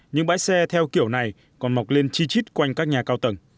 những bãi xe theo kiểu này còn mọc lên chi chít quanh các nhà cao tầng